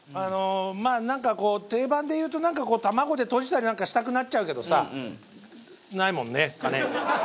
まあなんかこう定番で言うと卵でとじたりなんかしたくなっちゃうけどさ。